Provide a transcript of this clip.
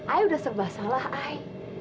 ayo udah serba salah ai